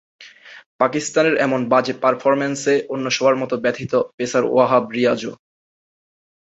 পাকিস্তানের এমন বাজে পারফরম্যান্সে অন্য সবার মতো ব্যথিত পেসার ওয়াহাব রিয়াজও।